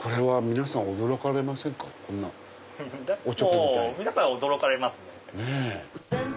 皆さん驚かれますね。